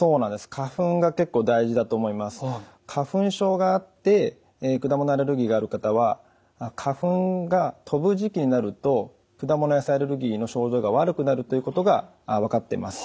花粉症があって果物アレルギーがある方は花粉が飛ぶ時期になると果物・野菜アレルギーの症状が悪くなるということが分かっています。